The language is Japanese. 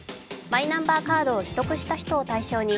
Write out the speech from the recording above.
マイナンバーカードを取得した人を対象に